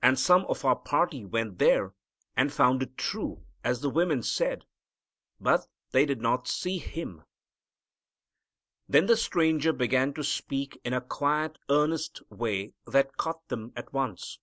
And some of our party went there and found it true as the women said. But they did not see Him." Then the Stranger began speaking in a quiet, earnest way that caught them at once.